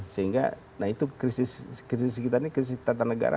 sehingga nah itu krisis sekitarnya krisis tata negara